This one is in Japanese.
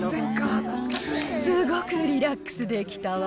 すごくリラックスできたわ。